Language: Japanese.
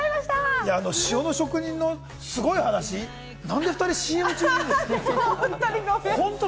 塩の職人のすごい話、なんで２人、ＣＭ中にして。